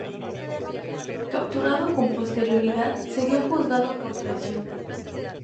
Capturado con posterioridad, sería juzgado por traición.